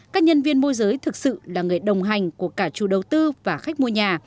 các nhân viên môi giới thực sự là người đồng hành của cả chủ đầu tư và khách mua nhà